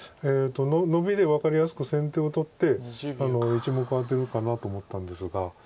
ノビで分かりやすく先手を取って１目アテるかなと思ったんですが。